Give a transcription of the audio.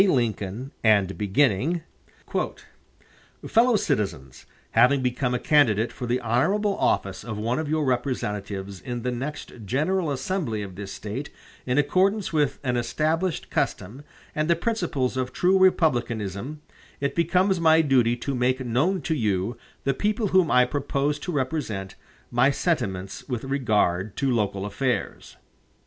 Lincoln, and beginning: "FELLOW CITIZENS: Having become a candidate for the honorable office of one of your representatives in the next general assembly of this State, in accordance with an established custom and the principles of true republicanism, it becomes my duty to make known to you, the people whom I propose to represent, my sentiments with regard to local affairs."